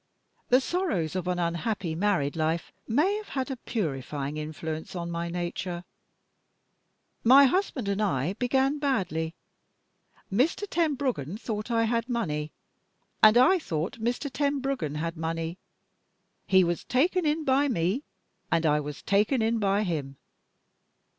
The sorrows of an unhappy married life may have had a purifying influence on my nature. My husband and I began badly. Mr. Tenbruggen thought I had money; and I thought Mr. Tenbruggen had money. He was taken in by me; and I was taken in by him.